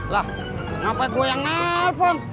lah ga apa apa gua yang nelfon